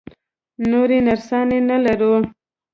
نورې نرسانې نه لرو؟